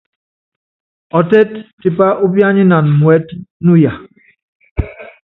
Ɔtɛ́t tipá úpíányinan muɛ́t nuya.